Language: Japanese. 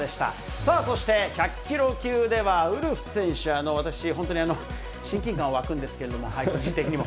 さあそして、１００キロ級ではウルフ選手、私、本当に親近感湧くんですけど、個人的にも。